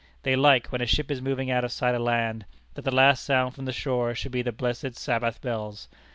They like, when a ship is moving out of sight of land, that the last sound from the shore should be the blessed Sabbath bells.